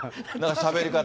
しゃべり方。